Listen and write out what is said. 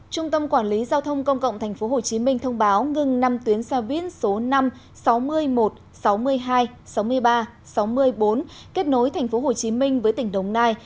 trung tâm quản lý giao thông công cộng tp hcm thông báo ngừng năm tuyến xe buýt số năm sáu mươi một sáu mươi hai sáu mươi ba sáu mươi bốn kết nối tp hcm với tỉnh đồng nai